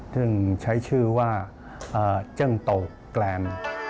ซึ่งใช้ชื่อว่าเจิ้งโตแกรน